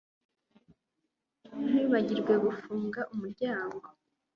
Ntiwibagirwe gufunga umuryango